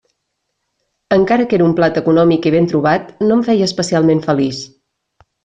Encara que era un plat econòmic i ben trobat, no em feia especialment feliç.